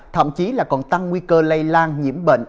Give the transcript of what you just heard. thậm chí là còn tăng nguy cơ lây lan nhiễm bệnh